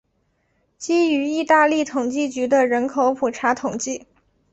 基于意大利统计局的人口普查统计。